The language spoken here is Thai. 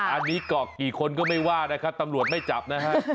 อันนี้กรอกกี่คนก็ไม่ว่านะครับตำรวจไม่จับนะฮะ